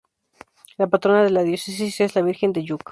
La patrona de la diócesis es la Virgen de Lluc.